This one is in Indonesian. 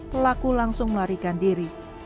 pelaku langsung larikan diri